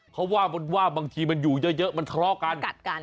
เขาว่าบางทีมันอยู่เยอะมันทะเลาะกัน